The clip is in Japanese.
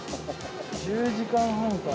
１０時間半か。